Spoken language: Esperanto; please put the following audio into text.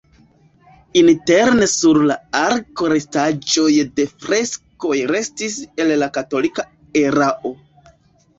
Interne sur la arko restaĵoj de freskoj restis el la katolika erao.